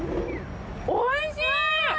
おいしい！